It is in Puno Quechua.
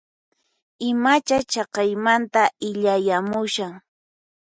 Imacha chaqaymanta illayamushan?